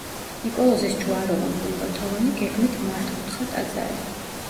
ნიკოლოზის ჯვაროვან-გუმბათოვანი, გეგმით მართკუთხა ტაძარი.